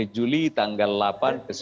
juli tanggal delapan ke sebelas